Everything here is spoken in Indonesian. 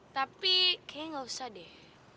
tapi kayaknya nggak usah deh